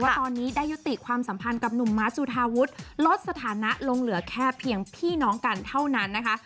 ตอนนี้ได้ยุติความสัมพันธ์กับหนุ่มม้าสุธาวุฒิลดสถานะลงเหลือแค่เพียงพี่น้องกันเท่านั้นนะคะ